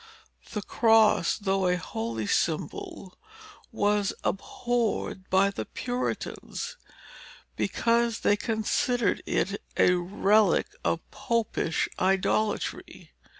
The Cross, though a holy symbol, was abhorred by the Puritans, because they considered it a relic of Popish idolatry.